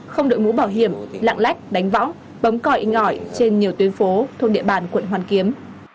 không đội mũ bảo hiểm lạng lách đánh võng bấm còi ngỏi trên nhiều tuyến phố thuộc địa bàn quận hoàn kiếm